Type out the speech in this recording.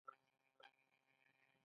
متلونه څنګه جوړ شوي؟